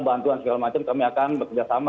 bantuan segala macam kami akan bekerjasama